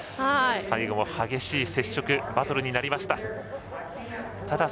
最後も激しい接触バトルになりました。